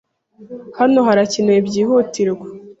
Hano harakenewe byihutirwa.